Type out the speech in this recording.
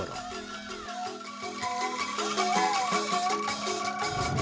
ketua angklung cari hal misalnya